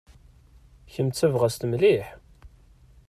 Kemm d tabɣast mliḥ.